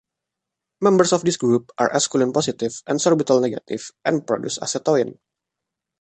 Members of this group are esculin positive and sorbitol negative and produce acetoin.